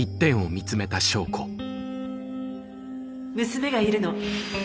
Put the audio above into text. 娘がいるの。